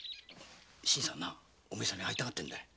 新さんなお前さんに会いたがってるんだよ。